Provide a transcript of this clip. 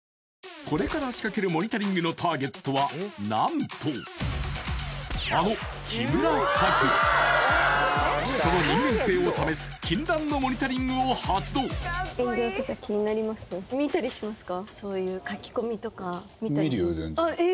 これから仕掛けるモニタリングのターゲットは何とあのその人間性を試す禁断のモニタリングを発動あっえっ